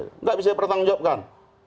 tidak bisa pertanggung jawab kan